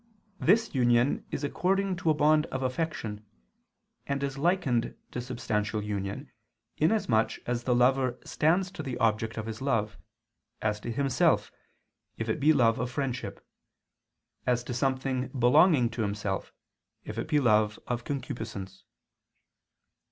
This union is according to a bond of affection, and is likened to substantial union, inasmuch as the lover stands to the object of his love, as to himself, if it be love of friendship; as to something belonging to himself, if it be love of concupiscence.